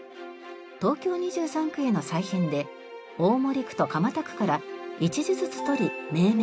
東京２３区への再編で「大森区」と「蒲田区」から１字ずつ取り命名されました。